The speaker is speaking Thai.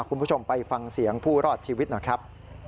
คุณผู้ชมไปฟังเสียงผู้รอดชีวิตหน่อยครับ